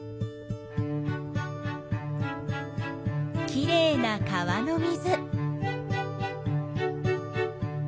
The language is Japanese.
きれいな川の水。